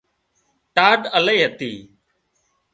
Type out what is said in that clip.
ٽاڍ الاهي هتي